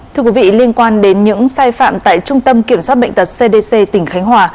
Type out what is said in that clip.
thưa quý vị liên quan đến những sai phạm tại trung tâm kiểm soát bệnh tật cdc tỉnh khánh hòa